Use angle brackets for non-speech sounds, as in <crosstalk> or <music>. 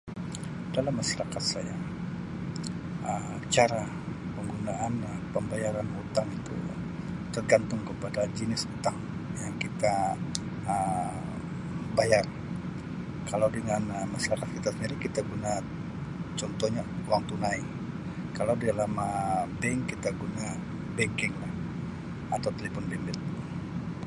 Dalam masarakat saya, <noise> Um cara penggunaan Um pembayaran hutang itu tegantung kepada jinis utang yang kita Um bayar. Kalau dengan Um masyarakat kita sendiri, kita guna contohnya wang tunai. Kalau di dalam Um bank, kita guna banking lah atau telipon bimbit.